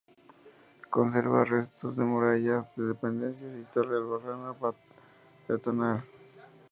Conserva restos de murallas, de dependencias y torre albarrana pentagonal.